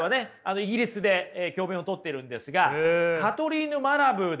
イギリスで教べんをとってるんですがカトリーヌ・マラブーです。